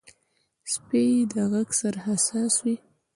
سپي د غږ سره حساس وي.